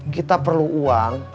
kita perlu uang